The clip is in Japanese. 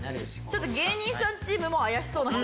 ちょっと芸人さんチームも怪しそうな人多いですね。